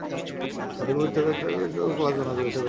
অনেকগুলো ছবি একসঙ্গে করে একটা কোলাজ বানানো যায়, ওটা বেশ মজার।